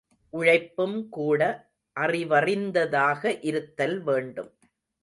உழைப்பும் கூட அறிவறிந்ததாக இருத்தல் வேண்டும்.